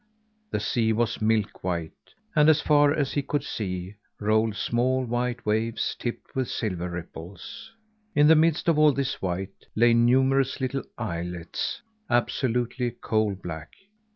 The sea was milk white, and as far as he could see rolled small white waves tipped with silver ripples. In the midst of all this white lay numerous little islets, absolutely coal black.